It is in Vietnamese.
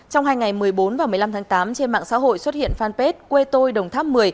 trong hai ngày một mươi bốn và một mươi năm tháng tám trên mạng xã hội xuất hiện fanpage quê tôi đồng tháp một mươi